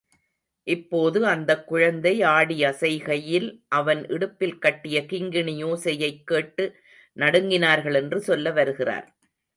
இப்போது அந்தக் குழந்தை ஆடி அசைகையில் அவன் இடுப்பில் கட்டிய கிங்கிணியோசையைக் கேட்டு நடுங்கினார்கள் என்று சொல்ல வருகிறார்.